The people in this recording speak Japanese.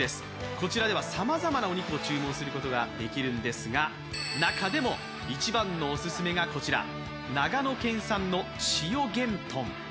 こちらではさまざまなお肉を注文することができるんですが、中でも一番のオススメがこちら、長野県産の千代幻豚。